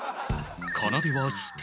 かなでは否定。